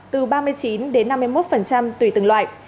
từ ba mươi chín đến năm mươi một tùy từng loại